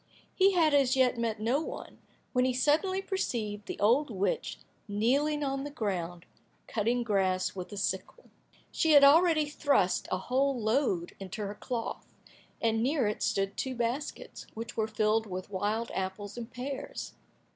He had as yet met no one, when he suddenly perceived the old witch kneeling on the ground cutting grass with a sickle. She had already thrust a whole load into her cloth, and near it stood two baskets, which were filled with wild apples and pears.